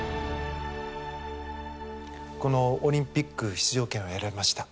このオリンピック出場権を得られました。